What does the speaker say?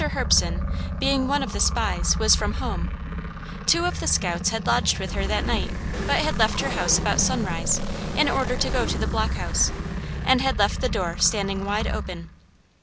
Herbeson, being one of the spies, was from home; two of the scouts had lodged with her that night, but had left her house about sunrise, in order to go to the block house, and had left the door standing wide open.